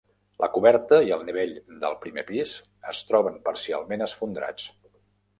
La coberta i el nivell del primer pis es troben parcialment esfondrats.